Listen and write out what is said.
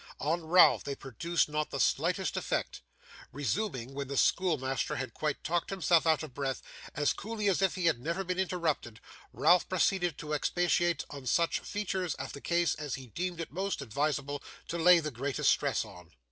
On Ralph they produced not the slightest effect. Resuming, when the schoolmaster had quite talked himself out of breath, as coolly as if he had never been interrupted, Ralph proceeded to expatiate on such features of the case as he deemed it most advisable to lay the greatest stress on.